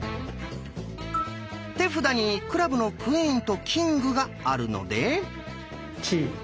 手札に「クラブのクイーン」と「キング」があるので。